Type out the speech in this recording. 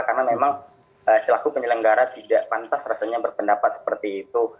karena memang selaku penyelenggara tidak pantas rasanya berpendapat seperti itu